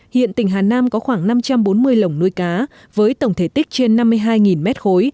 hiện tỉnh hà nam có khoảng năm trăm bốn mươi lồng nuôi cá với tổng thể tích trên năm mươi hai m ba